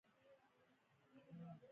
واکسین د ماشومانو او لویانو ژوند ژغوري.